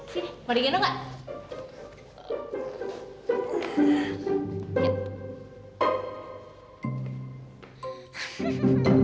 sini mau digendong gak